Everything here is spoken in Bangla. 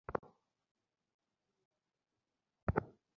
বলো, বনি।